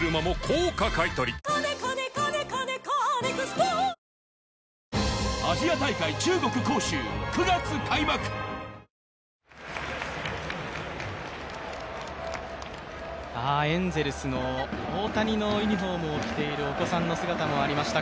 おおーーッエンゼルスの大谷のユニフォームを着ているお子さんの姿もありました。